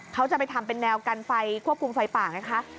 เขาจะไปทำเป็นแนวกันไฟควบคุมไฟป่าไงคะ